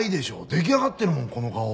出来上がってるもんこの顔は。